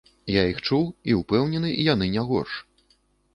Я іх чуў, і, упэўнены, яны не горш.